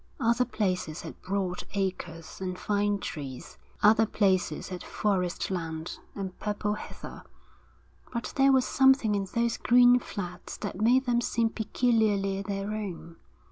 Other places had broad acres and fine trees, other places had forest land and purple heather, but there was something in those green flats that made them seem peculiarly their own.